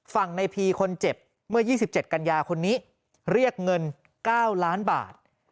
ฝั่งในพีคนเจ็บเมื่อ๒๗กันยาคนนี้เรียกเงิน๙ล้านบาท